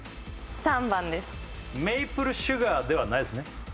３番ですメイプルシュガーではないですね